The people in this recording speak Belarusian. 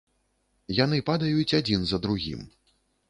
Яны падаюць адзін за другім.